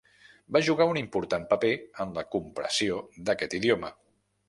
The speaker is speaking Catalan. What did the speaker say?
Va jugar un important paper en la compressió d'aquest idioma.